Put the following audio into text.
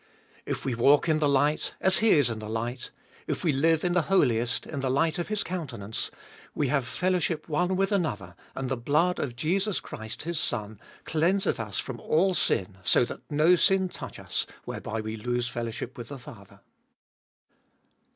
" If we walh in the light, as He is in the light," if we Hue in the Holiest, in the light of His countenance, " we have fellowship one with another, and the blood of Jesus Christ, His Son, cleanseth us from all sin, " so that no sin touch us, whereby we lose the fellowship with the Father.